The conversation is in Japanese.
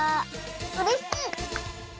うれしい！